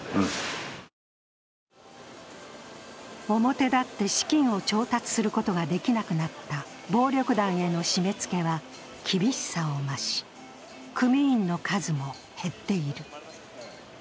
表立って資金を調達することができなくなった暴力団への締めつけは厳しさを増し、組員の数も減っている。